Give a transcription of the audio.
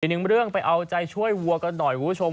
หนึ่งเรื่องไปเอาใจช่วยวัวกันหน่อยคุณผู้ชม